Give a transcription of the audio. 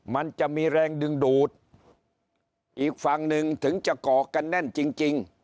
มันจะมีแรงดึงดูดอีกฝั่งหนึ่งถึงจะก่อกันแน่นจริงจริง